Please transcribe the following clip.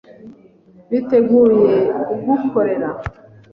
Biteguye kugukorera.